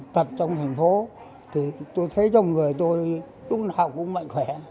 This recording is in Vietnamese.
tập trong thành phố thì tôi thấy trong người tôi lúc nào cũng mạnh khỏe